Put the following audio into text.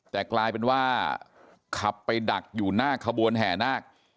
แต่กลายเป็นว่าขับไปดักอยู่หน้าขบวนแห่นาค